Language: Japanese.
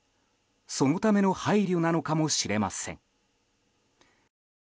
そのための配慮なのかもしれません。